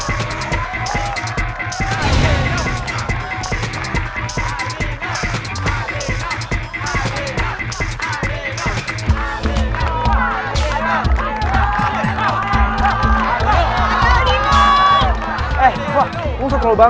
udah maksimal gua